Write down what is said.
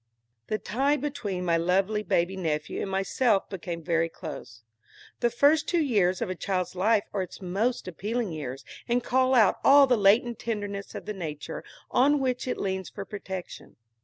The tie between my lovely baby nephew and myself became very close. The first two years of a child's life are its most appealing years, and call out all the latent tenderness of the nature on which it leans for protection.